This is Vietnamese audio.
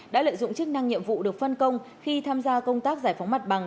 đã lợi dụng chức năng nhiệm vụ được phân công khi tham gia công tác giải phóng mặt bằng